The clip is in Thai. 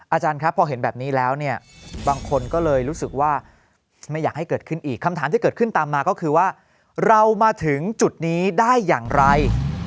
อาจารย์ครับพอเห็นแบบนี้แล้วเนี่ยบางคนก็เลยรู้สึกว่าไม่อยากให้เกิดขึ้นอีกคำถามที่เกิดขึ้นตามมาก็คือว่าเรามาถึงจุดนี้ได้อย่างไร